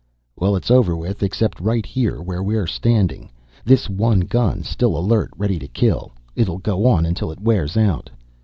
"Well, it's over with. Except right here, where we're standing. This one gun, still alert, ready to kill. It'll go on until it wears out."